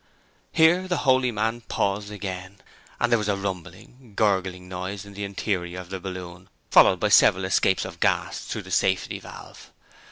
Here the holy man paused again, and there was a rumbling, gurgling noise in the interior of the balloon, followed by several escapes of gas through the safety valve.